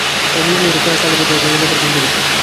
স্বামী বিবাহের পর কালেভদ্রে এ গ্রামে পদার্পণ করিতেন।